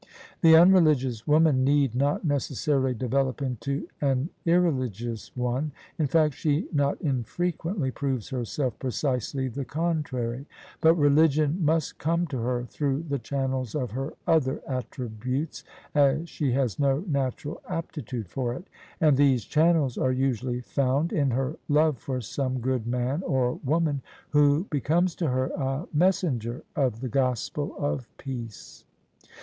The un religious woman need not necessarSy develop into an irreligious one : in fact she not infrequently proves herself precisely the contrary: but reli gion must come to her through the channels of her other attributes, as she has no natural aptitude for it: and these channels are usually found in her love for some good man or woman, who becomes to her a messenger of the gospel of peace.